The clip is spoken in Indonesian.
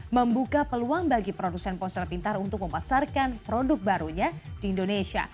membuka peluang bagi produsen ponsel pintar untuk memasarkan produk barunya di indonesia